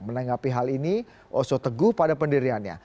menanggapi hal ini oso teguh pada pendiriannya